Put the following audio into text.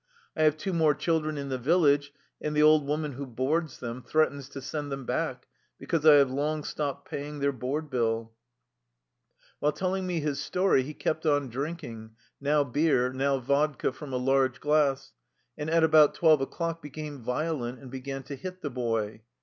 I have two more children in the village, and the old woman who boards them threatens to send them back because I have long stopped paying their board bill." While telling me his story, he kept on drink ing, now beer, now vodka from a large glass, and at about twelve o'clock became violent, and be gan to hit the boy.